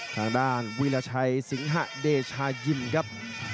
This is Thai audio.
ข้างด้านวิลาชัยสิงหาเดชาญิมครับ